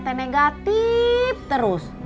dengan negatif terus